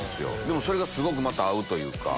それがすごくまた合うというか。